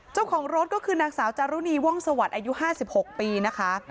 เจ้าของรถก็คือนางสาวจารุณีว่องสวัสดิ์อายุ๕๖ปีนะคะ